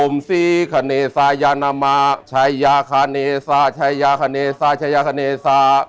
อมสีขเนสียนะมะโฉยาขเนซะโฉยาขเนซะโฉยาขเนซะ